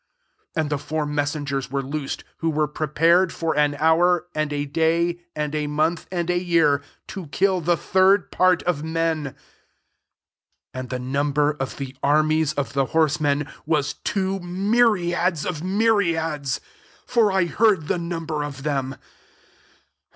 '' 15 And the four messengers were loosed, who were prepared for an hour, and a day, and a month, and a year, to kill the third part of men. 16 And the num ber of the armies of the horse men waa two myriads of my riads : for I heard the number of them.